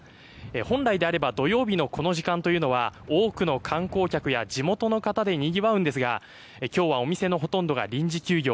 本来であれば土曜日のこの時間は多くの観光客や地元の方でにぎわいますが今日はお店のほとんどが臨時休業。